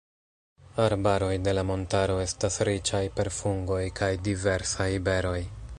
Arbaroj de la montaro estas riĉaj per fungoj kaj diversaj beroj.